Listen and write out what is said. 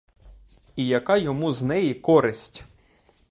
І яка йому з неї користь?